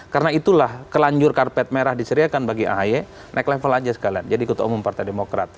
karena itulah kelanjur karpet merah disediakan bagi ahy naik level aja sekalian jadi ketua umum partai demokrat